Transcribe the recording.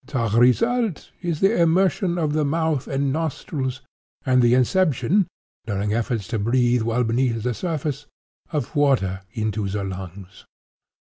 The result is the immersion of the mouth and nostrils, and the inception, during efforts to breathe while beneath the surface, of water into the lungs.